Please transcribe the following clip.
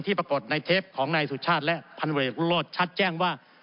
ปรากฏในเทปของนายสุชาติและพันเวกโลศชัดแจ้งว่า